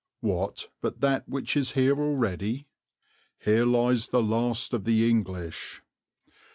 "What but that which is there already? 'Here lies the last of the English.'"